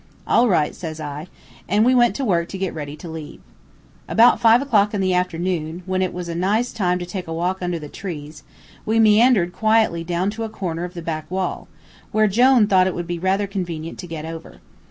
"'All right,' says I. An' we went to work to get ready to leave. "About five o'clock in the afternoon, when it was a nice time to take a walk under the trees, we meandered quietly down to a corner of the back wall, where Jone thought it would be rather convenient to get over.